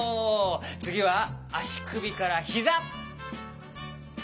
つぎはあしくびからひざ！